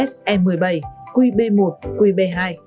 se một mươi bảy qb một qb hai